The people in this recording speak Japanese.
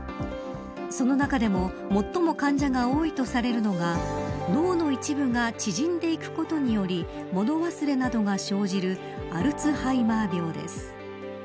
その中でも最も患者が多いとされるのが脳の一部が縮んでいくことにより物忘れなどが生じるアルツハイマー病です。